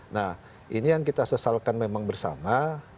nah ini yang kita sesalkan memang bersama